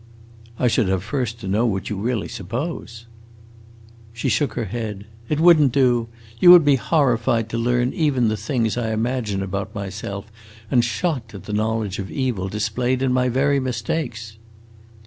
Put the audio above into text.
"I should have first to know what you really suppose." She shook her head. "It would n't do. You would be horrified to learn even the things I imagine about myself, and shocked at the knowledge of evil displayed in my very mistakes."